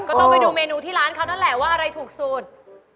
ก็ต้องไปดูเมนูที่ร้านเขานั่นแหละว่าอะไรถูกสุด